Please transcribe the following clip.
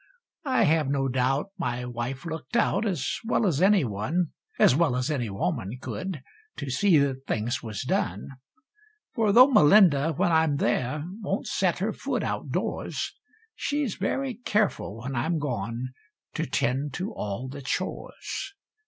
I have no doubt my wife looked out, as well as any one As well as any woman could to see that things was done: For though Melinda, when I'm there, won't set her foot outdoors, She's very careful, when I'm gone, to tend to all the chores.